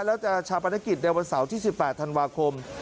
แล้วจะชาปนกิจในวันเสาร์ที่๑๘ธันวาคม